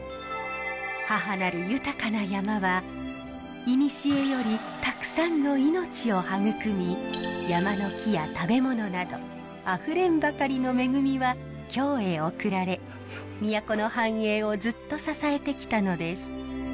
母なる豊かな山はいにしえよりたくさんの命を育み山の木や食べ物などあふれんばかりの恵みは京へ送られ都の繁栄をずっと支えてきたのです。